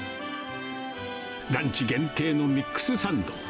ランチ限定のミックスサンド。